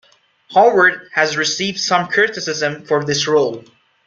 Howard has received some criticism for this role.